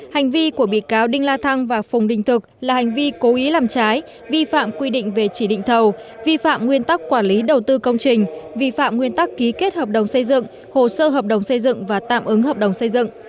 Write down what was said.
hành vi của bị cáo đinh la thăng và phùng đinh thực là hành vi cố ý làm trái vi phạm quy định về chỉ định thầu vi phạm nguyên tắc quản lý đầu tư công trình vi phạm nguyên tắc ký kết hợp đồng xây dựng hồ sơ hợp đồng xây dựng và tạm ứng hợp đồng xây dựng